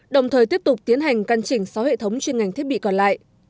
đồng thời tiếp tục tiến hành căn chỉnh sáu hệ thống chuyên ngành thiết bị còn lại